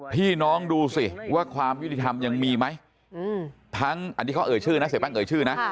ดูสิว่าความยุติธรรมยังมีไหมทั้งอันนี้เขาเอ่ยชื่อนะเสียแป้งเอ่ยชื่อนะ